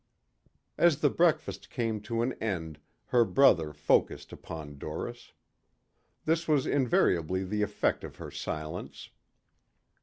As the breakfast came to an end her brother focused upon Doris. This was invariably the effect of her silence.